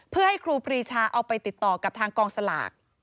เพื่อให้ครูปรีชาเอาไปติดต่อกับทางกองสลาก